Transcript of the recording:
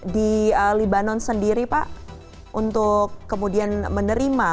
di libanon sendiri pak untuk kemudian menerima